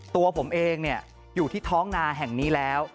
ตัวผมเองอยู่ที่ท้องนาแห่งนี้แล้ว